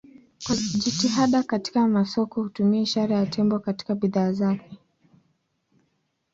Kwa jitihada katika masoko hutumia ishara ya tembo katika bidhaa zake.